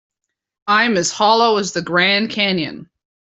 I'm as hollow as the Grand Canyon.